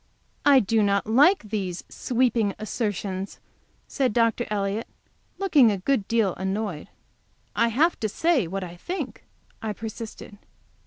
"I do not like these sweeping assertions," said Dr. Elliott, looking a good deal annoyed. "I have to say what I think," I persisted.